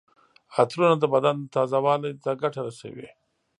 عطرونه د بدن تازه والي ته ګټه رسوي.